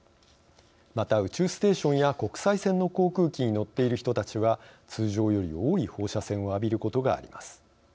また宇宙ステーションや国際線の航空機に乗っている人たちは通常より多い放射線を浴びることがあります。